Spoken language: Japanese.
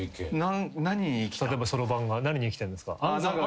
例えばそろばんが何に生きてるんですか？